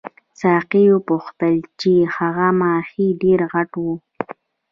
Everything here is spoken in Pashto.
ساقي وپوښتل چې هغه ماهي ډېر غټ وو.